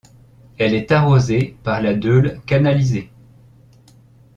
Elle est arrosée par la Deûle canalisée.